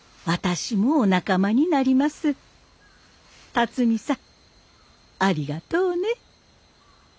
龍己さんありがとうね。